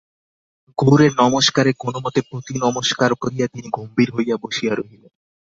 গৌরের নমস্কারে কোনোমতে প্রতিনমস্কার করিয়া তিনি গম্ভীর হইয়া বসিয়া রহিলেন।